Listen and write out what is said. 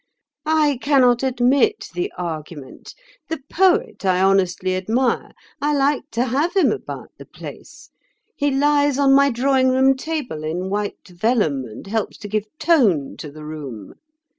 I cannot admit the argument. The poet I honestly admire. I like to have him about the place. He lies on my drawing room table in white vellum, and helps to give tone to the room.